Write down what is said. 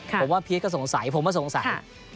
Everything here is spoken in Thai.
ผมว่าพีชก็สงสัยผมก็สงสาร